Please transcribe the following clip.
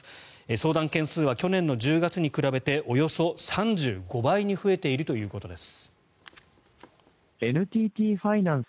相談件数は去年の１０月に比べておよそ３５倍に増えているということです。